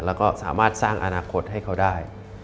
แล้วก็สามารถสร้างอนาคตให้เขาได้